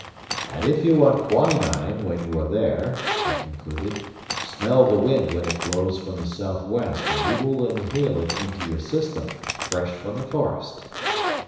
"And if you want quinine when you are there," he concluded, "smell the wind when it blows from the south west, and you will inhale it into your system, fresh from the forest."